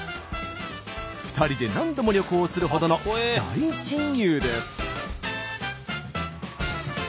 ２人で何度も旅行するほどの大親友です。